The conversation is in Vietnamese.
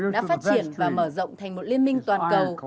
đã phát triển và mở rộng thành một liên minh toàn cầu